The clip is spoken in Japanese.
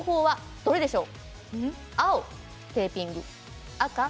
どれでしょうか。